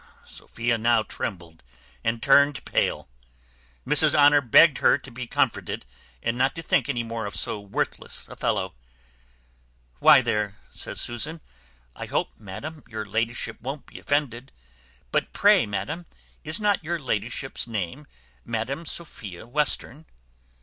Sophia now trembled and turned pale. Mrs Honour begged her to be comforted, and not to think any more of so worthless a fellow. "Why there," says Susan, "I hope, madam, your ladyship won't be offended; but pray, madam, is not your ladyship's name Madam Sophia Western?"